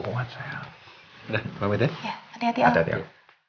udah selamat ya ya hati hati al